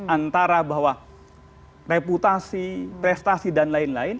antara bahwa reputasi prestasi dan lain lain